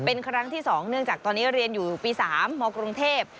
เป็นครั้งที่๒เนื่องจากตอนนี้เรียนอยู่ปี๓มกรุงเทพ